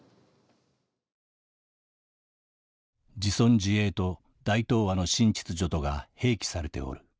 「『自存自衛』と『大東亜の新秩序』とが併記されておる。